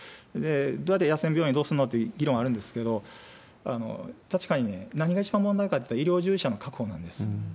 どうやって、野戦病院どうすんの？って議論はあるんですけど、確かに何が一番問題かっていったら、医療従事者の確保なんです。